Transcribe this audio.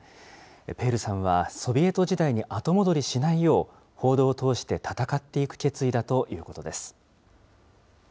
ペールさんはソビエト時代に後戻りしないよう、報道を通して戦っていく決意だということです。